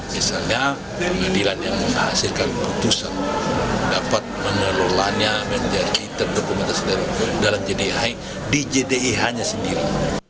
misalnya pengadilan yang menghasilkan putusan dapat mengelolanya menjadi terdokumentasi dalam jdih nya sendiri